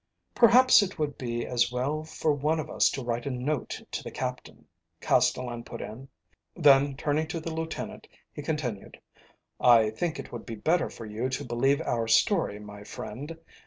"Perhaps it would be as well for one of us to write a note to the Captain," Castellan put in. Then turning to the lieutenant, he continued: "I think it would be better for you to believe our story, my friend.